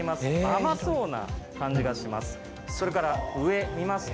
甘そうな感じがします。